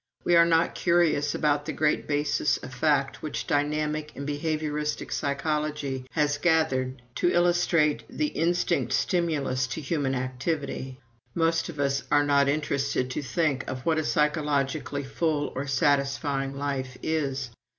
We are not curious about the great basis of fact which dynamic and behavioristic psychology has gathered to illustrate the instinct stimulus to human activity. Most of us are not interested to think of what a psychologically full or satisfying life is.